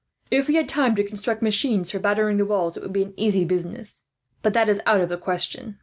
If we had time to construct machines for battering the walls, it would be an easy business; but that is out of the question.